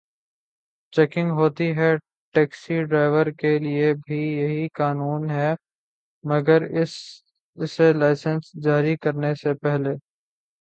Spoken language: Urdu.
چیکنگ ہوتی ہے۔ ٹیکسی ڈرائیور کے لیے بھی یہی قانون ہے مگر اسے لائسنس جاری کرنے سے پہل